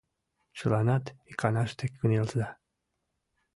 Чыланат иканаште кынелза